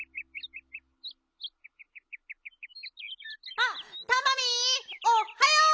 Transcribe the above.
あっタマミーおっはよう！